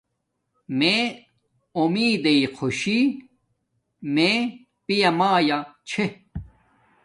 می امیدݵ خوشی میے پیا میا چھے